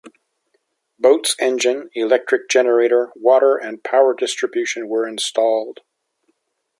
Boat's engine, electric generator, water and power distribution were installed.